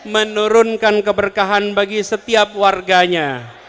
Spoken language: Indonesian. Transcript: menurunkan keberkahan bagi setiap warganya